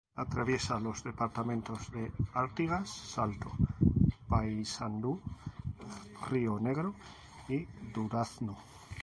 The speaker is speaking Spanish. Atraviesa los departamentos de Artigas, Salto, Paysandú, Río Negro y Durazno.